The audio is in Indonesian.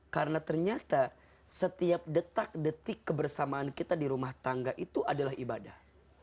karena ternyata setiap detak detik kebersamaan kita di rumah tangga itu adalah ibadah